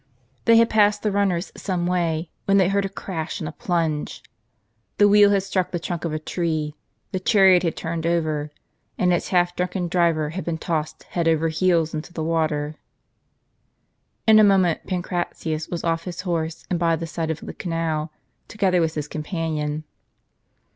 They had passed the runners some way when they heard a crash and a plunge. The wheel had struck the trunk of a tree, the chariot had turned over, and its half drunken driver had been tossed head over heels into the water. In a moment Pancratius w^as off his horse and by the side of the canal, together with his companion.